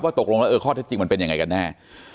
ตกลงแล้วเออข้อเท็จจริงมันเป็นยังไงกันแน่